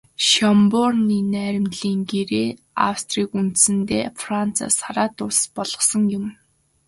Шёнбрунны найрамдлын гэрээ Австрийг үндсэндээ Францаас хараат улс болгосон юм.